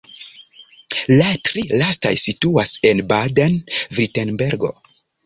La tri lastaj situas en Baden-Virtembergo.